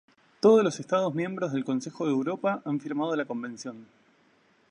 Todos los estados miembros del Consejo de Europa han firmado la Convención.